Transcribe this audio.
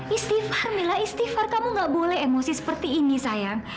istif alhamdulillah istighfar kamu gak boleh emosi seperti ini sayang